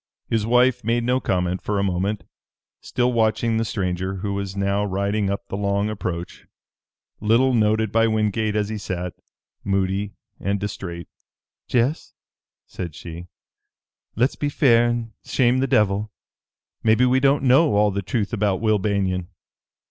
His wife made no comment for a moment, still watching the stranger, who was now riding up the long approach, little noted by Wingate as he sat, moody and distrait. "Jess," said she, "let's be fair and shame the devil. Maybe we don't know all the truth about Will Banion.